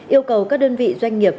yêu cầu các đơn vị doanh nghiệp